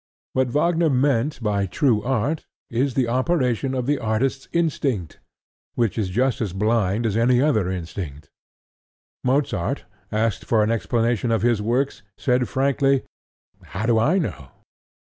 What Wagner meant by "true Art" is the operation of the artist's instinct, which is just as blind as any other instinct. Mozart, asked for an explanation of his works, said frankly "How do I know?"